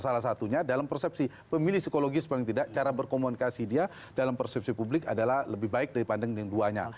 salah satunya dalam persepsi pemilih psikologis paling tidak cara berkomunikasi dia dalam persepsi publik adalah lebih baik daripada yang duanya